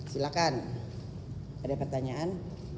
silakan ada pertanyaan